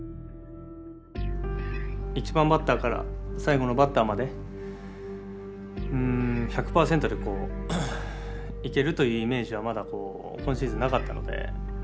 １番バッターから最後のバッターまで１００％でいけるというイメージはまだ今シーズンなかったので。